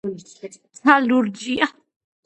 ცა ლურჯია